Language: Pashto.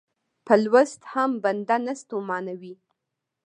په لوست هم بنده نه ستومانوي.